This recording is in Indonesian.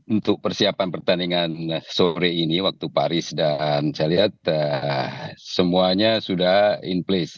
untuk persiapan pertandingan sore ini waktu paris dan saya lihat semuanya sudah in place